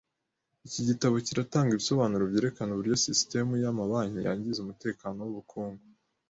Iki gitabo kiratanga ibisobanuro byerekana uburyo sisitemu yamabanki yangiza umutekano wubukungu.